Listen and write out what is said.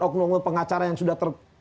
oknong oknong pengacara yang sudah ter